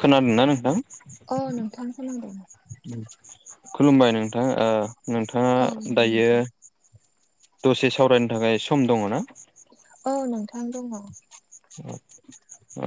खोनादों ना नोंथां औ नोंथां खोनादों खुलुमबाय नोंथां ओ नोंथाङा औ दायो नोंथां दसे सावरायनो थाखाय सम दङ ना औ नोंथां दङ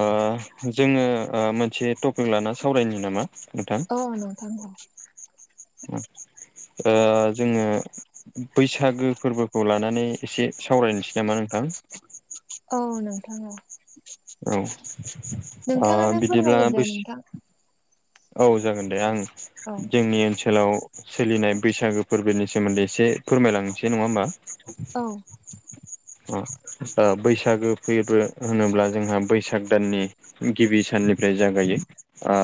ओ जोङो ओ मोनसे टपिक लाना सावरायनि नामा नोंथां औ नोंथां बुं ओ जोङो बैसागो फोरबोखौ लानानै एसे सावरायनोसै नामा नोंथां? औ नोंथा औ। औ ओ नोंथाङानो बिदिब्ला फोरमायग्रोदो बोस नोंथां औ जागोन दे। आं औ जोंनि ओनसोलाव सोलिनाय बैसागो फोरबोनि सोमोनदै एसे फोरमायलांनोसै नङा होमबा। औ [unintelligible] अ ओ बैसागो फोरबो होनोब्ला जोंहा बैसाग दाननि गिबि साननिफ्राय जागायो। ओ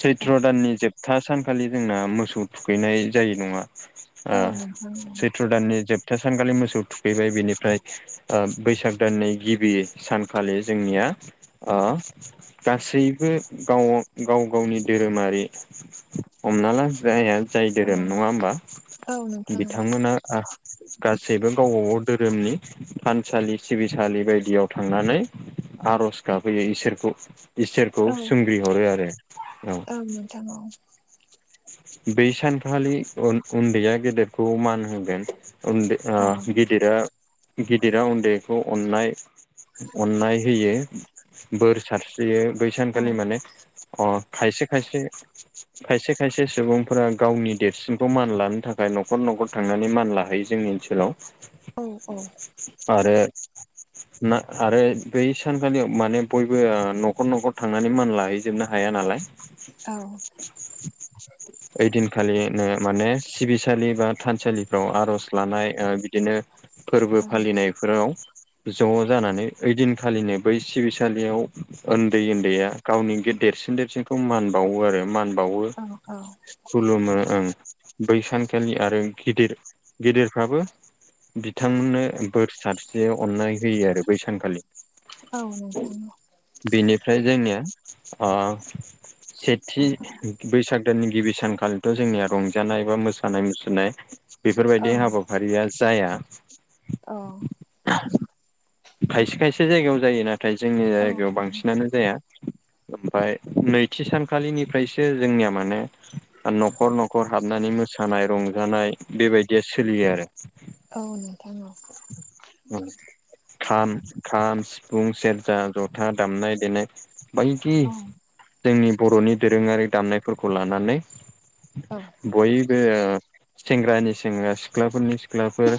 सैथ्र' दाननि जोबथा सानखालि जोंना मोसौ थुखैनाय जायो नङा ओ औ नोंथां औ सैथ्र' दाननि जोबथा सानखालि मोसौ थुखैबाय बिनिफ्राय ओ बैसाग दाननि गिबि सानखालि जोंनिया ओ गासैबो गाव गाव गाव गावनि धोरोमारि हमना ला जाया जाय औ दोरोम नङा होमबा औ नोंथां औ बिथांमोना गासैबो गावबाागाव दोरोमनि थानसालि सिबिसालि बायदियाव थांनानै आर'ज गाबहैयो इसोरखौ इसोरखौ औ सोंग्रि हरो आरो। औ औ नोंथां औ। बै सानखालि उनदैया गेदेरखौ मान होगोन। उनदै ओ औ गिदिरा गिदिरा उनदैखौ अननाय अननाय होयो बोर सारस्रियो बै औ सानखालि माने आं खायसे खायसे खायसे खायसे खायसे सुबुंफोरा गावनि देरसिनखौ मान लानो थाखाय न'खर न'खर थांनानै मान लाहैयो जोंनि ओनसोलाव। औ औ। आरो ना आरो बै सानखालियाव माने बयबो न'खर न'खर थांनानै मान लाहैजोबना हाया नालाय। औ। ओइदिनखालिनो माने सिबिसालि बा थानसालिफ्राव आर'ज लानाय बिदिनो फोरबो फालिनायफोराव ज' जानानै ओइदिनखालिनो बै सिबिसालियाव उनदै उनदैया गावनि देरसिन देरसिनखौ मानबावो आरो मान बावो। औ औ। खुलुमो ओं बै सानखालि आरो गिदिर गेदिरफ्राबो बिथांमोननो बोर साबस्रियो अननाय होयो आरो बै सानखालि। औ। बेनिफ्राय जोंनिया ओ सेथि बैसाग गोदोनि गिबि सानखालिथ' जोंनिया रंजानाय बा मोसानाय मुसुरनाय औ बेफोरबायदि हाबा हाबाफारिया जाया। औ खायसे खायसे जायगायाव जायो नाथाय जोंनि औ जायगायाव बांसिनानो जाया। ओमफ्राय नैथि सानखालिनिफ्रायसो जोंनिया माने नखर नखर हाब- हाबनानै मोसानाय रंजानाय बेबायदिया सोलियो आरो। औ नोंथां। [inaudible] खाम, खाम, सिफुं, सेरजा, जथा दामनाय देनाय। बायदि औ जोंनि बर'नि दोरोङारि दामनायफोरखौ लानानै औ। बयबो सेंग्रानि सेंग्रा सिख्लाफोरनि सिख्लाफोर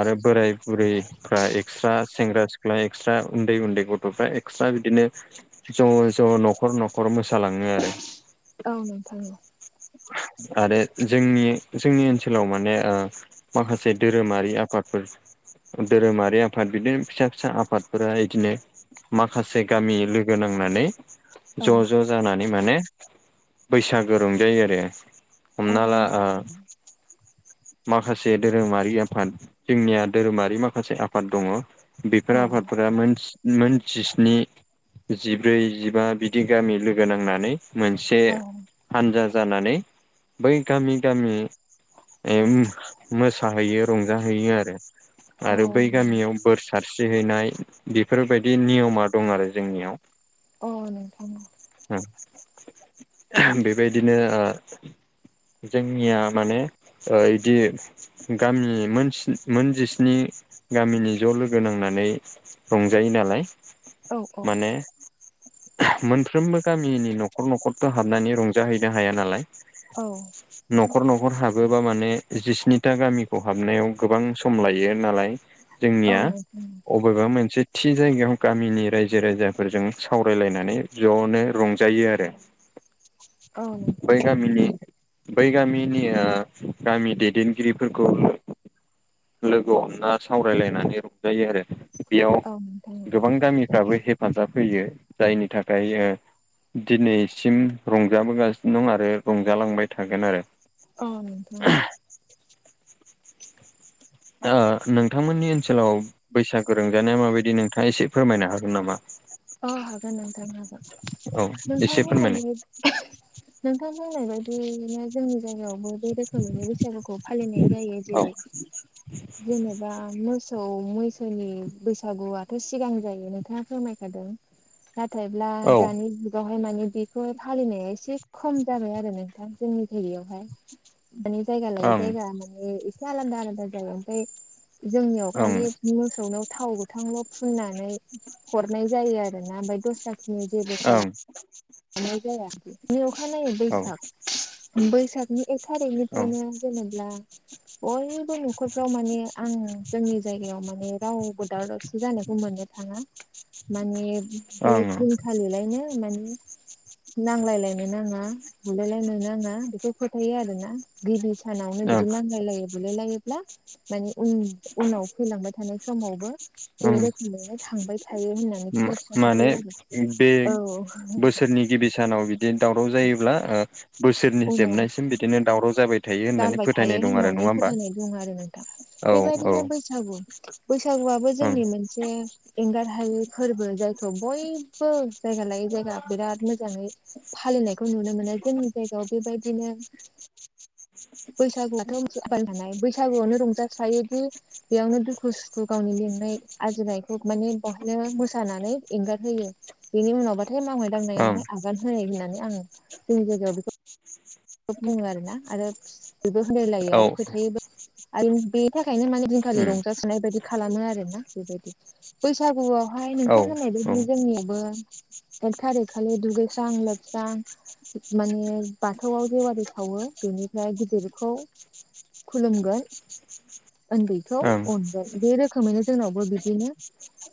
आरो बोराइ बुरैफ्रा एक्सट्रा सेंग्रा सिख्ला एक्सट्रा उन्दै उन्दै गथ'फ्रा एक्सट्रा बिदिनो ज' ज' नखर नखर मोसालाङो आरो। [inaudible] आरो जोंनि जोंनि ओनसोलाव माने ओ माखासे धोरोमारि आफादफोर धोरोमारि आफाद बिदिनो फिसा फिसा आफादफोरा इदिनो माखासे गामि लोगो नांनानै औ नोंथां औ अ ज' ज' जानानै माने बैसागो रंजायो आरो हमना ला ओ माखासे धोरोमारि आफाद जोंनिया धोरोमारि माखासे आफाद दङ। बेफोर अ आफादफोरा मोन मोन जिस्नि जिब्रै जिबा बिदि गामि लोगो नांनानै मोनसे हान्जा जानानै बै गामि गामि एम मोसा हैयो रंजाहैयो आरो। आरो बै गामियाव बोर सारस्रिहैनाय बेफोरबायदि नियमा दं आरो जोंनियाव। औ नंगौ उम बेबायदिनो ओ जोंनिया माने ओ इदि गामि मोन मोन जिस्नि गामिनि ज' लोगो नांनानै रंजायो नालाय। नोंथां औ औ माने मोनफ्रोमबो गामिनि नखर नखर थ' हाबनानै रंजाहैनो हाया नालाय। औ नखर नखर हाबोबा माने जिस्निथा गामिखौ हाबनायाव गोबां सम लायो नालाय। औ जोंनिया नोंथां अ बेबा मोनसे थि जायगायाव गामिनि रायजो राजाफोरजों सावरायलायनानै ज'नो रं जायो आरो औ नोंथां बै गामिनि बै गामिनि ओ गामि दैदेनगिरिफोरखौ लोगो हमला सावरायलायनानै रंजायो आरो बेयाव औ नोंथां गोबां गामिफ्राबो हेप हेफाजाब होयो जायनि थाखाय दिनै सिम रंजाबोगासिनो दं आरो रंजालांबाय थागोन आरो। औ ओ नोंथांमोननि ओनसोलाव बैसागो रंजानाया माबायदि नोंथाङा एसे फोरमायनो हागोन नामा? अ हागोन नोंथां हागोन औ नोंथां एसे फोरमायनाय बुंनाय नोंथां बुंनाय बा दियैनो जोंनि जायगायावबो बे रोखोमैनो बैसागुखौ फालिनाय जायो जेरै जेनेबा मोसौ मैसौ दोनि बैसागुआथ' सिगां जायो नोंथाङा फोरमायखादों। नाथायब्ला औ ओं दानि बेवहाय माने बेखौ फालिनाया एसे खम जाबाय आरो नोंथां जोंनि जायगायावहाय। माने जायगाालाय ओं जायगा माने एसे आलादा आलादा जायगा ओफ्राय जोंनियाव ओं खालि मोसौनो थाव गोथांल' फुननानै हनाय जायो आरो ना ओमफ्राय दस्रा औ ओं नाय जाया अखानायनायो बैसाग बैसागनि एक औ थारिखनिफ्रायनो जेनब्ला बयबो न'खरफ्राव माने आं जोंनि जायगायाव माने रावबो दाव दावसि जानायखौ मोनो थाङा माने बे आं दिनखालिलायनो माने नांलायलायनो नाङा बुलायलायनो नाङा बेखौ फोथायो आरोना गिबि सानावनो ओं बिदि नांलाय लायो बुलायलायोब्ला मानि उन उनाव फैलांबाय थानाय समावबो बे ओं रोखोमैनो थांबाय थायो होननानै माने फोरफथाय आरो औ। सोरनि गिबि सानाव बिदि दावराव जायोब्ला बोसोरनि जोबनायसिम बिदिनो दावराव जाबाय। थायो होननानै जालबाय थायो फोथायनाय दं आरो नङा होननानै होमबा फोथायनाय दं आरो नोंथां औ औ बेबायदिनो ओं बैसागु बैसागुआबो जोंनि मोनसे एंगार हायै फोरबो जायखौ बयबो जायगा लायै जायगा बिराद मोजाङै फालिनायखौ नुनो मोनो जोंनि जायगायाव बेबायदिनो बैसागुआथ' [unintelligible] बैसागुआनो रंजासायोदि बेयावनो दुखु सुखु गावनि लिंनाय आरजिनायखौ माने बेवहायनो मोसानानै एंगारहोयो। बेनि उनावबाथाय मावनाय ओं दांनायावहाय आगान होनाय होननानै आं जोंनि जायगायाव बेखौ बुङो आरोना आरो बेबो होनाय लायो औ आरो फोथायबो आरो बे बि थाखायनो माने दिनखालि उम रंजासाय बायदि खालामो आरो ना बेबायदि बैसागुआव हाय औ नोंथांमोना बेदिनो जोंनियावबो एक थारिख खालि दुगैस्रां लोबस्रां माने बाथ थौआव जेवि सावो बेनिफ्राय गिदिरखौ खुलुमगोन। उन्दैखौ ओं अनगोन बे रोखोमैनो जोंनावबो बिदिनो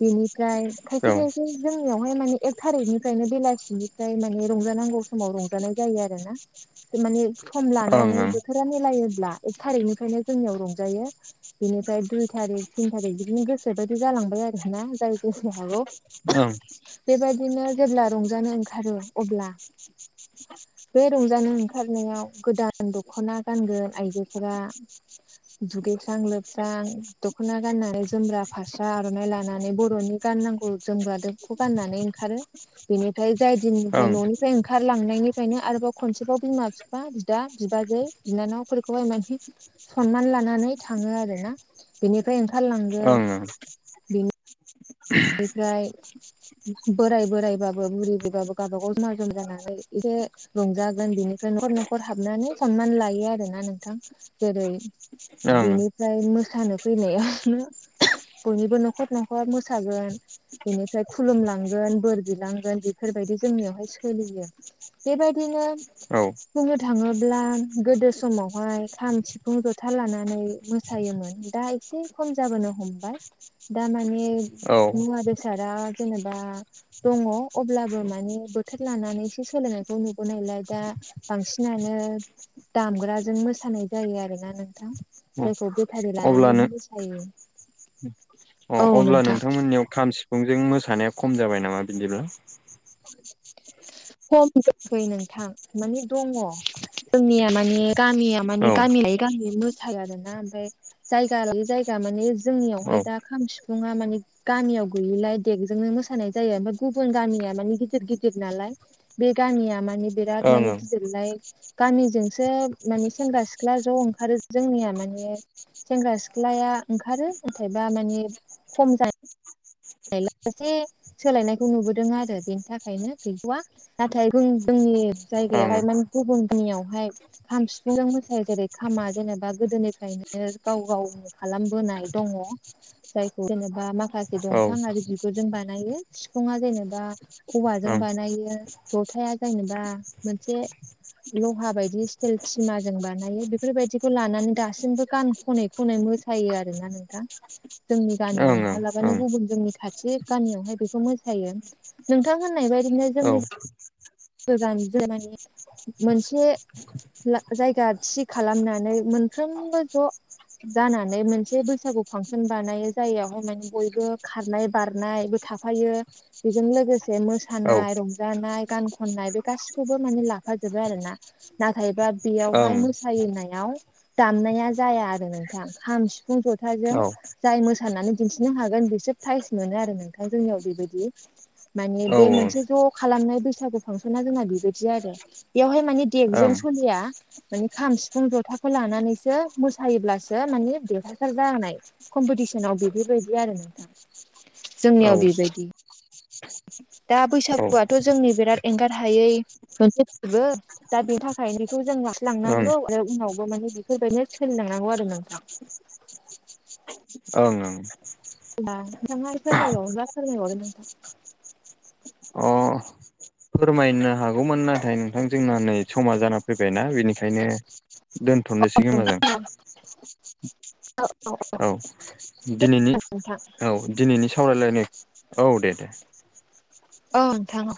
बेनिफ्राय औ खायसे ओं खायसे जों नियावहाय माने एक थारिखनिफ्रायनो बेलासिनिफ्राय माने रंजानांगौ समाव रंजानाय जायो आरो ना। माने सम लानानै ओं बोथोरा मिलायोब्ला एक थारिकनिफ्रायनो जोंनियाव रंजायो। बिनिफ्राय दुइ थारिख थिन थारिख बिदिनो गोसो बायदि जालांबाय आरो ना जाय गोसो हागौ ओं। बेबायदिनो जेब्ला रंजानो ओंखारो अब्ला [unintelligible] बे रंजानो ओंखारनायाव गोदान दख'ना गानगोन आइजोफोरा दुगैस्रां लोबस्रां दख'ना गाननानै जोमग्रा फास्रा आर'नाइ लानानै बर'नि गाननांगौ जोमब्ला द बेखौ गाननानै ओंखारो। बेनिफ्राय जाय दिननिफ्राय ओं न'निफ्राय ओंखारलांनायनिफ्रायनो आरोबाव खनसेबाव बिमा बिफा बिदा बिबाजै बिनानावफोरखौहाय माने सनमानै लानानै थाङो आर ना बेनिफ्राय ओंखारलां ओं ओं। बेनिफ्राय बोराय बोरायबाबो बुरि बुरैबाबो गावबाागाव जमा जमा जानानै एसे रंजागोन बिनिफ्राय न'खर न'खर हाबनानै सनमान लायो आरो ना नोंथां जेरै बेनिफ्राय मोसानो फैनायावनो बयनिबो न'खर न'खर थागोन। बिनिफ्राय खुलुमलांगोन बोर बिलांगोन बेफोरबायदि जोंनियावहाय सोलियो। बेबायदिनो। औ। बुंनो थाङोब्ला गोदो समावहाय खाम, सिफुं, जथा लानानै मो सायोमोन दा एसे खम जाबोनो हमबाय। [inaudible] मुवा-बेसादा जेनेबा दङ' अब्लाबो मानि बोथोर लानानैसो सोलायनायखौ नुबोनायलाय दा। बांसिनानो दामग्राजों मोसानाय जायो आरोना नोंथां अ जायखौ बे बेथारि अब्ला लानानै नों मोसायो। अ औ अब्ला नोंथां नोंथांमोननियाव खाम सिफुंजों मोसानाया खम जाबाय नामा बिदिब्ला? खम जोंखै नोंथां माने दङ' जोंनिया माने गामिया औ मानि गामियायै गामियै मुसायो आरोना ओमफ्राय जायगा लायै जायगा माने जोंनियावहाय औ दा खाम सिफुङा माने गामियाव गैयिलाय देगजोंनो मोसानाय जायो ओमफाय गुबुन गामिया मानि गिदिर गिदिर नालाय। बे गामिया माने बिराद ओं माने ओं गिदिरलाय गामिजोंसो माने सेंग्रा सिख्ला ज' ओंखारो जोंनिया माने सेंग्रा सिख्लाया ओंखारो नाथायबा मानि खम जायो [unintelligible] एसे सोलायनायखौ नुबोदों आरो बेनि थाखायनो गैथ'वा नाथाय जों जोंनि ओं जायगायावहाय माने गुबुननियावहाय खाम सिफुंजों मोसायो जेरै खामा जेनेबा गोदोनिफ्रायनो गाव गाव खालामबोनाय दङ' जायखौ जेनेबा माखासे दं औ ओं बिफां आरो बिगुरजों बानायो सिफुङा जेनेबा औवाजों ओं बानायो जथाया जेनेबा मोनसे लहा बायदि स्टेल थामाजों बानायो बेफोरबायदिखौ लानानै दासिमबो गान खनै खनै मो सायो आरोना नोंथां जोंनि ओं गामियाव नङालाबानो औ ओं औ गुबुन [unintelligible] जोंनि खाथि गामियावहाय बेखौ मोसायो नोंथां होननाय बाय औ गोदान जे मानि मोनसे जायगा थि खालामनानै मोनफ्रोमबो ज' जानानै मोनसे बैसागो फांसन बानायो जायगायावनो बयबो खारनाय बारनाय थाफायो बेजों लोगोसे मोसानाय रंजानाय गानख खननाय बे गासिखौबो माने लाफाजोबो आरो ना नाथायबा बेयावहाय ओं मोसानायाव दामनाया जाया आरो नोंथां खाम सिफुं जथाजों जाय मोसानानै दिन्थिनो हागोन बिसोर प्राइज मोनो आरो नोंथां जोंनियाव बेबायदि माने बे औ मोनसे ज' खालामनाय बैसागो फांसना जोंना बेबायदि आरो बेवहाय माने देगजों सोलिया मानि खाम सिफुं जथाखौ लानानैसो मोसायोब्लासो माने देरहासार जानाय कम्पिटिसनाव बेफोरबायदि आरो नोंथां [unintelligible] जोंनियाव बेबायदि दा औ बैसागुआथ' जोंनि बिराद एंगार हायै मोनसे फोरबो दा बेनि थाखाय बेखौ जों ओं ओं लांफालांनांगौ आरो उनावबो माने बेफोरबायदिनो सोलिलांनांगौ आरो नोंथां ओं ओं [unintelligible] अ फोरमायनो हागौमोन नाथाय नोंथां जोंना नै समा जाना फैबायना बेनिखायनो दोनथ'नोसै खोमा जों औ दिनैनि नोंथां औ दिनैनि सावरायलायनाय औ दे दे औ नोंथां औ